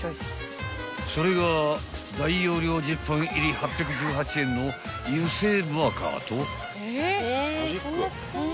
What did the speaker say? ［それが大容量１０本入り８１８円の油性マーカーと］